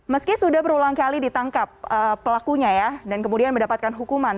meski sudah berulang kali ditangkap pelakunya ya dan kemudian mendapatkan hukuman